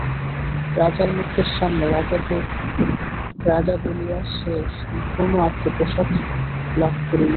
রাজার মুখের সামনে রাজাকে আজা বলিয়া সে সম্পূর্ণ আত্মপ্রসাদ লাভ করিল।